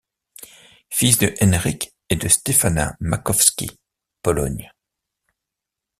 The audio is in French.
Fils de Henryk et de Stefana Makowski, Pologne.